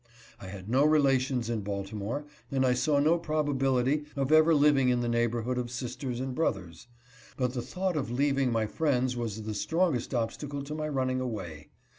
I had no relations in Balti more, and I saw no probability of ever living in the neighborhood of sisters and brothers ; but the thought of leaving my friends was the strongest obstacle to my run ning away.